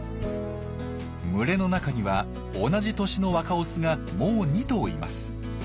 群れの中には同じ年の若オスがもう２頭います。